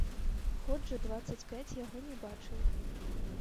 Год жа дваццаць пяць яго не бачыў.